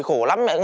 khổ lắm mẹ